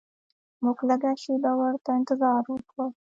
موږ لږه شیبه ورته انتظار وکړ.